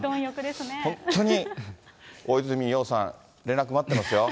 本当に、大泉洋さん、連絡待ってますよ。